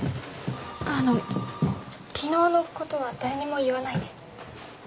あの昨日のことは誰にも言わないで。